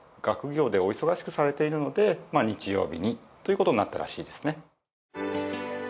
学業でお忙しくされているので日曜日にということになったらしいですね。